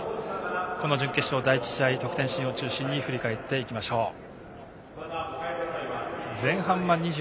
この準決勝の第１試合得点シーンを中心に振り返っていきましょう。